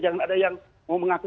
jangan ada yang mau mengaku